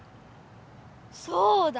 そうだ！